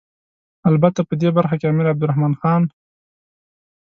البته په دې برخه کې امیر عبدالرحمن خان.